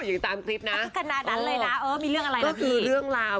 อย่างตามคลิปนะเออมีเรื่องอะไรนะพี่ก็คือเรื่องราว